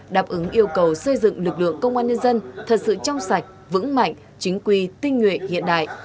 đáp ứng yêu cầu xây dựng lực lượng công an nhân dân thật sự trong sạch vững mạnh chính quy tinh nguyện hiện đại